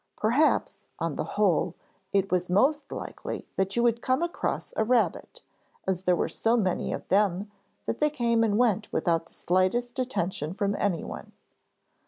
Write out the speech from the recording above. Perhaps, on the whole, it was most likely that you would come across a rabbit, as there were so many of them that they came and went without the slightest attention from anyone.